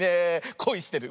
こいしてる。